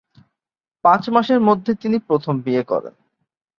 পাঁচ মাসের মধ্যে তিনি প্রথম বিয়ে করেন।